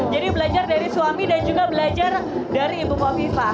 jadi belajar dari suami dan juga belajar dari ibu kofifa